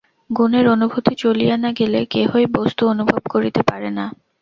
গুণের অনুভূতি চলিয়া না গেলে কেহই বস্তু অনুভব করিতে পারে না।